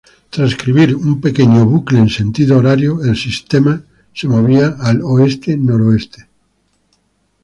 Transcribir un pequeño bucle en sentido horario, el sistema se movía al oeste-noroeste.